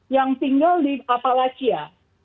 yang tinggal di appalachia